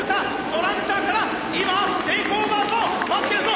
トランチャーから今テイクオーバーゾーン待ってるぞ！